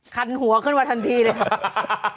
คันหัวขึ้นมาทันทีเลยค่ะ